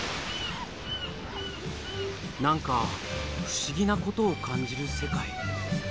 何か不思議なことを感じる世界。